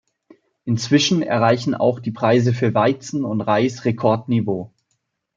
Inzwischen erreichen auch die Preise für Weizen und Reis Rekordniveau.